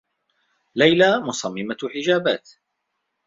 ليلى مصمّمة حجابات.